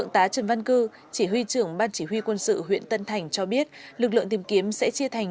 tuy trưởng ban chỉ huy quân sự huyện tân thành cho biết lực lượng tìm kiếm sẽ chia thành